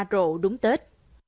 rộ đúng tết